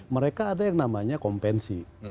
mereka ada yang namanya kompensi